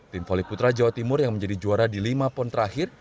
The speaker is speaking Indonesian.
tim voli putra jawa timur yang menjadi juara di lima pon terakhir